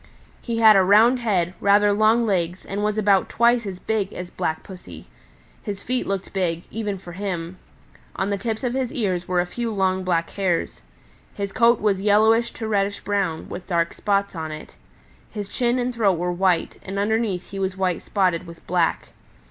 He had a round head, rather long legs, and was about twice as big as Black Pussy. His feet looked big, even for him. On the tips of his ears were a few long black hairs. His coat was yellowish to reddish brown, with dark spots on it. His chin and throat were white, and underneath he was white spotted with black.